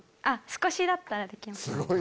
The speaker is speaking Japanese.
少しだったらできます。